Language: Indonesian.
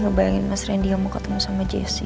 ngebayangin mas rendy yang mau ketemu sama jessy